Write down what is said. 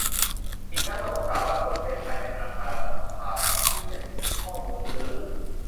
อีกทั้งระบบสารสนเทศภายในอาคารรัฐสภาใหม่ซึ่งจะมีศูนย์ข้อมูลหรือ